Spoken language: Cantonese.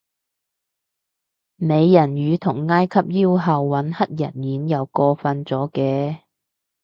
美人魚同埃及妖后搵黑人演又過份咗嘅